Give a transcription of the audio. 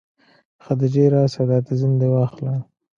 خديجې راسه دا تيزن دې واخله.